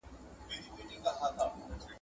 نو ځکه اوس په موږ کي داسي يوه ښځه هم شتون نه لري